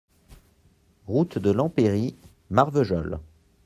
Route de l'Empéry, Marvejols